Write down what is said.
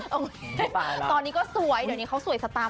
ตอนนี้ก็สวยเดี๋ยวนี้เขาสวยสตาร์ไม่ได้